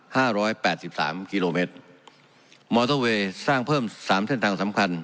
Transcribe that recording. ห้าร้อยแปดสิบสามกิโลเมตรมอเตอร์เวย์สร้างเพิ่มสามเส้นทางสำคัญ